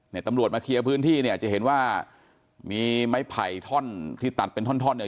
ตำรวจมาเคลียร์พื้นที่เนี่ยจะเห็นว่ามีไม้ไผ่ท่อนที่ตัดเป็นท่อนท่อนเนี่ย